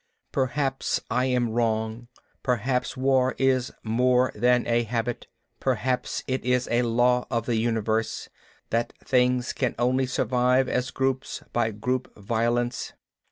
Perhaps I am wrong, perhaps war is more than a habit. Perhaps it is a law of the universe, that things can only survive as groups by group violence.